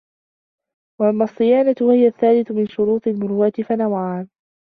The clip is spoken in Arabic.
وَأَمَّا الصِّيَانَةُ وَهِيَ الثَّالِثُ مِنْ شُرُوطِ الْمُرُوءَةِ فَنَوْعَانِ